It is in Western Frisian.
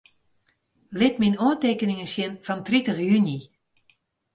Lit myn oantekeningen sjen fan tritich juny.